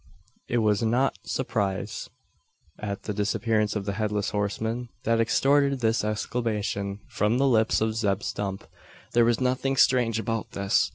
It was not surprise at the disappearance of the headless horseman that extorted this exclamation from the lips of Zeb Stump. There was nothing strange about this.